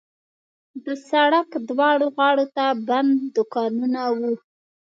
د سړک دواړو غاړو ته بند دوکانونه وو.